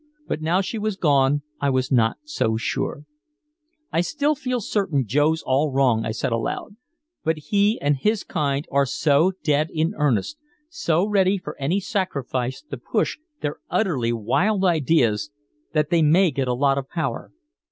But now she was gone, I was not so sure. "I still feel certain Joe's all wrong," I said aloud. "But he and his kind are so dead in earnest so ready for any sacrifice to push their utterly wild ideas that they may get a lot of power.